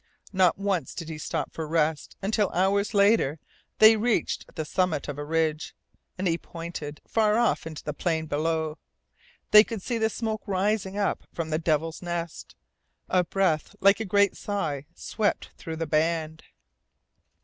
Not once did he stop for rest until, hours later, they reached the summit of a ridge, and he pointed far off into the plain below. They could see the smoke rising up from the Devil's Nest. A breath like a great sigh swept through the band.